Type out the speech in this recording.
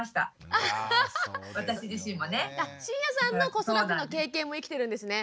あ椎谷さんの子育ての経験も生きてるんですね。